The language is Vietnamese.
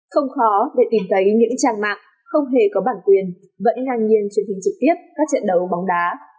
không khó để tìm thấy những trang mạng không hề có bản quyền vẫn ngang nhiên truyền hình trực tiếp các trận đấu bóng đá